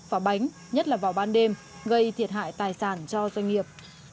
và bánh nhất là vào ban đêm gây thiệt hại tài sản cho doanh nghiệp